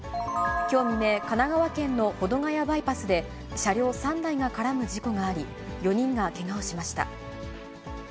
きょう未明、神奈川県の保土ヶ谷バイパスで車両３台が絡む事故があり、４人がけがをしました。